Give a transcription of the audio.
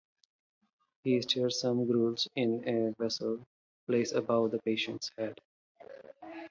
He stirs some gruel in a vessel placed above the patient's head.